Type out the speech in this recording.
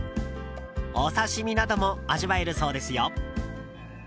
お刺し身なども味わえるそうですよ。